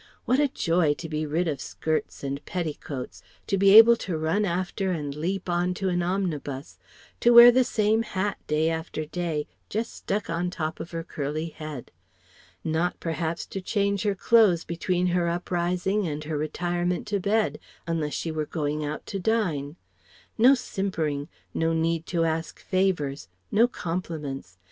What a joy to be rid of skirts and petticoats! To be able to run after and leap on to an omnibus, to wear the same hat day after day just stuck on top of her curly head. Not, perhaps, to change her clothes, between her uprising and her retirement to bed, unless she were going out to dine. No simpering. No need to ask favours. No compliments.